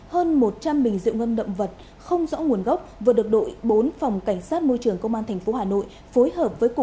hơn một trăm linh bình rượu ngâm động vật không rõ nguồn gốc vừa được đội bốn phòng cảnh sát môi trường công an tp hà nội